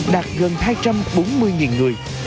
đạt gần hai trăm bốn mươi người